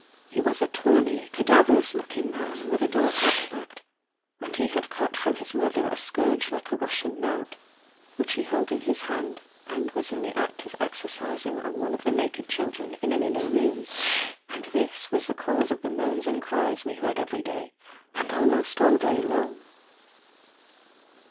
He was a tawny, cadaverous looking man, with a dark aspect; and he had cut from his leather a scourge like a Russian knout, which he held in his hand, and was in the act of exercising on one of the naked children in an inner room: and this was the cause of the moans and cries we heard every day, and almost all day long.